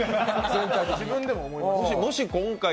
自分でも思いました。